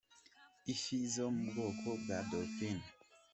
Ifi zo mu bwoko bwa Dolphin.